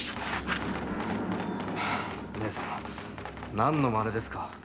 何の真似ですか？